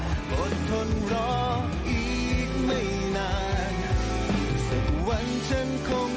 พี่มันต้องรับเล่นไม่คลับเล่นไม่คลับเล่นไม่คลับ